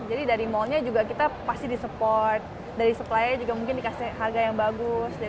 jadi dari mallnya juga kita pasti di support dari supplier juga mungkin dikasih harga yang bagus